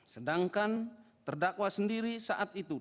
sedangkan terdakwa sendiri saat itu